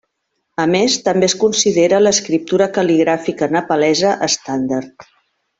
A més, també es considera l'escriptura cal·ligràfica nepalesa estàndard.